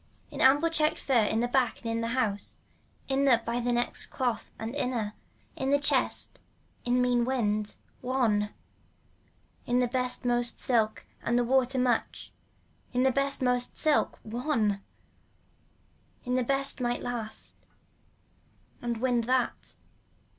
In the ample checked fur in the back and in the house, in the by next cloth and inner, in the chest, in mean wind. One. In the best most silk and water much, in the best most silk. One. In the best might last and wind that.